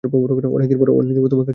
অনেকদিন পরে তোমাকে এখানে দেখলাম।